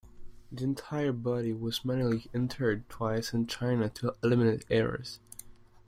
The entire body was manually entered twice in China to eliminate error.